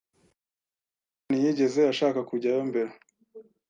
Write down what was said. hirwa ntiyigeze ashaka kujyayo mbere.